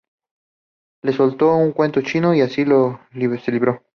Le soltó un cuento chino y así se libró